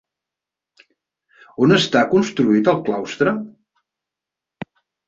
On està construït el claustre?